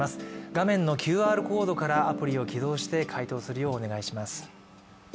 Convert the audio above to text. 画面のＱＲコードからアプリを起動して回答するようお願いします。